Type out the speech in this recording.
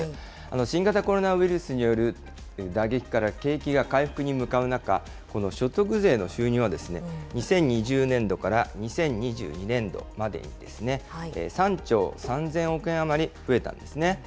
新型コロナウイルスによる打撃から景気が回復に向かう中、この所得税の収入は、２０２０年度から２０２２年度までに、３兆３０００億円余り増えたんですね。